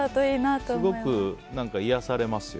すごく癒やされますよ。